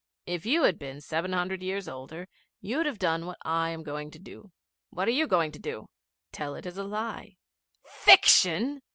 If you had been seven hundred years older you'd have done what I am going to do.' 'What are you going to do?' 'Tell it as a lie.' 'Fiction?'